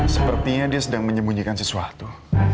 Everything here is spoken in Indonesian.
sepertinya dia sedang menyembunyikan sesuatu